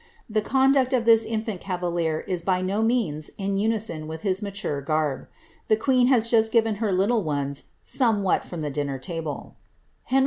The conduct of this infant cavalier is by no means in unison with his mature garb. The queen has just given her liiile ones *^ somewhat from the dinner table." IIenric?